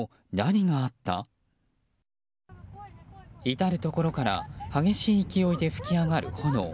至るところから激しい勢いで噴き上がる炎。